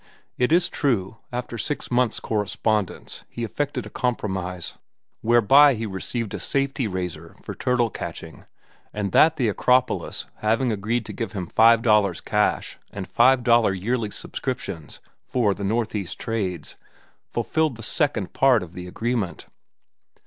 It is true, after six months' correspondence, he effected a compromise, whereby he received a safety razor for "Turtle catching," and that The Acropolis, having agreed to give him five dollars cash and five yearly subscriptions: for "The Northeast Trades," fulfilled the second part of the agreement.